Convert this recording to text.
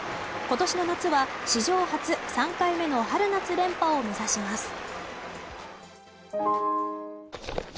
今年の夏は史上初、３回目の春夏連覇を目指します。